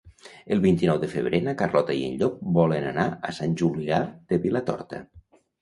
El vint-i-nou de febrer na Carlota i en Llop volen anar a Sant Julià de Vilatorta.